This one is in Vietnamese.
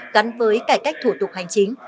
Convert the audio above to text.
gắn với cải cách thủ tục hành chính